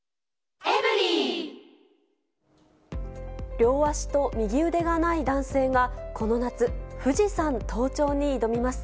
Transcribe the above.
両足と右腕がない男性がこの夏、富士山登頂に挑みます。